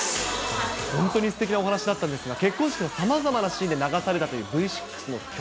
本当にすてきなお話だったんですが、結婚式のさまざまなシーンで流されたというＶ６の曲。